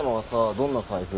どんな財布？